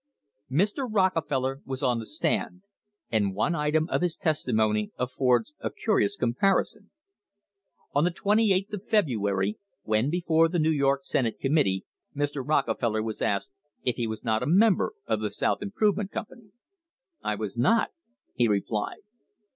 Mr. Rockefeller was on the stand, and one item of his testi mony affords a curious comparison. On the 28th of February, when before the New York Senate committee, Mr. Rocke feller was asked if he was not a member of the South Improve ment Company. "I was not," he replied.